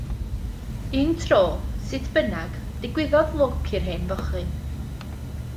Un tro, sut bynnag, digwyddodd lwc i'r hen fochyn.